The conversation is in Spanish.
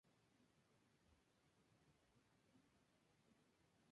Buck Chisholm fue miembro del Carnaval de las Maravillas Carson itinerantes.